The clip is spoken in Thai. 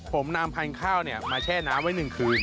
ผมนำพันธุ์ข้าวมาแช่น้ำไว้๑คืน